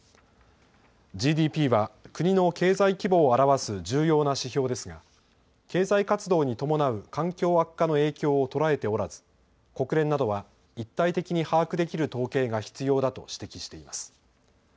ＧＤＰは国の経済規模を表す重要な指標ですが経済活動に伴う環境悪化の影響を捉えておらず国連などは一体的に把握できる統計が必要だと指摘しています。